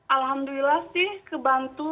alhamdulillah sih terbantu